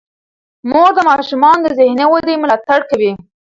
مور د ماشومانو د ذهني ودې ملاتړ کوي.